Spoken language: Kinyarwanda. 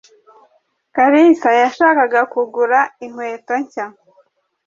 Kalisa yashakaga kugura inkweto nshya.